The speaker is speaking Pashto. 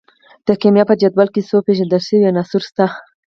د کیمیا په جدول کې څو پیژندل شوي عناصر شته.